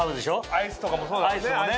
アイスとかもそうだもんね。